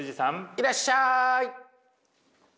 いらっしゃい！